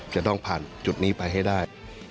จะต้องผ่านจุดนี้ไปให้ได้